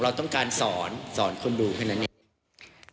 เราต้องการสอนสอนคนดูแค่นั้นเอง